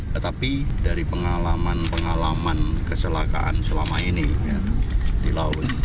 tetapi dari pengalaman pengalaman keselakaan selama ini di laut